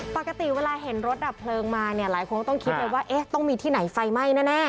ปกติเวลาเห็นรถดับเพลิงมาเนี่ยหลายคนก็ต้องคิดเลยว่าเอ๊ะต้องมีที่ไหนไฟไหม้แน่